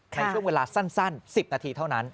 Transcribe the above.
ในช่วงเวลาสั้น๑๐นาทีเท่านั้น